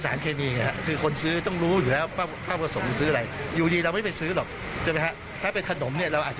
คนซื้อก็หน้าจะพอสร้างไปแล้วว่าตัวเองจะไปใช้อะไรแต่ว่ามันอยู่ที่มาถูกประสงค์นะครับ